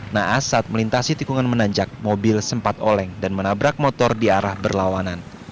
naas saat melintasi tikungan menanjak mobil sempat oleng dan menabrak motor di arah berlawanan